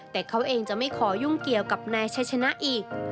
แต่เขาเองจะไม่ขอยุ่งเกี่ยวกับนายชัยชนะอีก